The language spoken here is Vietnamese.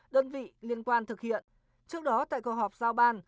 đơn vị liên quan thực hiện trước đó tại cơ họp giao ban